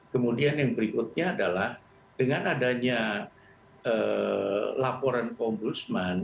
kemudian yang berikutnya adalah dengan adanya laporan ombudsman